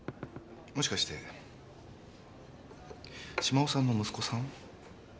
もしかして島尾さんの息子さん？